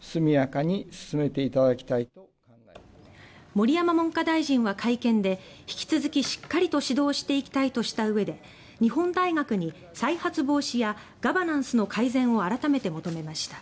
盛山文科大臣は会見で引き続きしっかりと指導していきたいとしたうえで日本大学に再発防止やガバナンスの改善を改めて求めました。